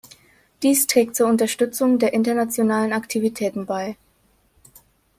Dies trägt zur Unterstützung der internationalen Aktivitäten bei.